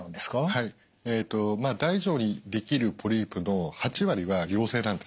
はい大腸にできるポリープの８割は良性なんですね。